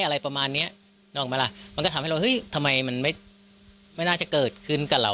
อะไรประมาณเนี้ยนึกออกไหมล่ะมันก็ทำให้เราเฮ้ยทำไมมันไม่น่าจะเกิดขึ้นกับเรา